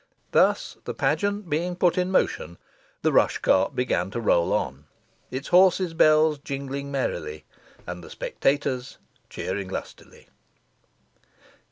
Thus the pageant being put in motion, the rush cart began to roll on, its horses' bells jingling merrily, and the spectators cheering lustily.